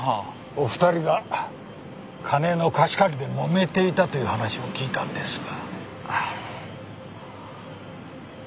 お二人が金の貸し借りでもめていたという話を聞いたんですが。